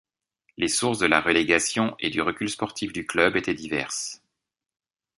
Les sources de la relégation et du recul sportif du club étaient diverses.